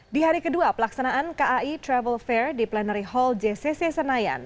di hari kedua pelaksanaan kai travel fair di plenary hall jcc senayan